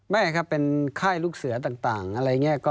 ไม่ครับเป็นค่ายลูกเสือต่างอะไรอย่างนี้